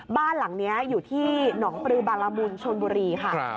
บ้านหลังนี้อยู่ที่หนองปลือบารมุนชนบุรีค่ะ